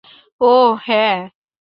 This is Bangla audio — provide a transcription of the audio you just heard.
ওহ, হ্যাঁ!